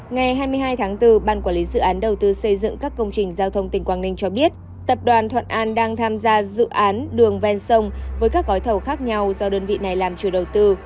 ngày hai mươi hai tháng bốn ban quản lý dự án đầu tư xây dựng các công trình giao thông tỉnh quảng ninh cho biết tập đoàn thuận an đang tham gia dự án đường ven sông với các gói thầu khác nhau do đơn vị này làm chủ đầu tư